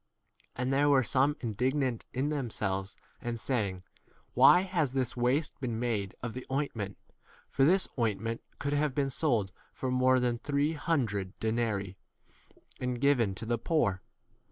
4 And there were some indignant in themselves and saying, k Why has this waste been made of the 5 ointment? for this ointment 1 could have been sold for more than three hundred denarii and given to the poor.